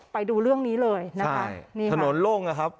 ไปดูเรื่องนี้เลยถนนโล่งครับ